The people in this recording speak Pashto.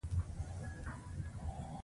اوم او ولټ په دې برخه کې رول درلود.